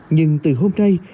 nhưng từ hôm nay